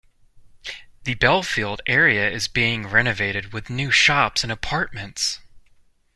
The Belfield area is being renovated with new shops and apartments.